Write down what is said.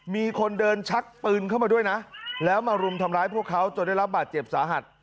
มีคนเดินชักปืนเข้ามาด้วยนะแล้วมารุมทำร้ายพวกเขาจนได้รับบาดเจ็บสาหัส